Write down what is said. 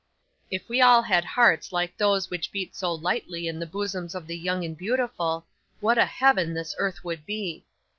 'If we all had hearts like those which beat so lightly in the bosoms of the young and beautiful, what a heaven this earth would be!